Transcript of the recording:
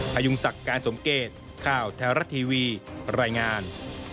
พยุงศักดิ์การสมเกตข่าวแท้รัฐทีวีรายงาน